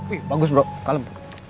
wih bagus bro kalem